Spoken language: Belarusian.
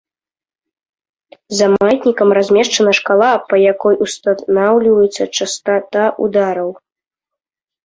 За маятнікам размешчана шкала, па якой устанаўліваецца частата удараў.